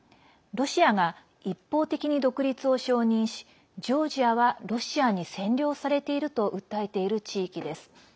ロシアが一方的に独立を承認しジョージアはロシアに占領されていると訴えている地域です。